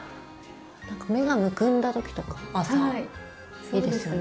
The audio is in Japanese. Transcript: なんか目がむくんだ時とか朝いいですよね。